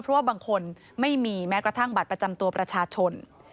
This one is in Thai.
เพราะว่าบางคนไม่มีแม้กระทั่งบัตรประจำตัวประชาชน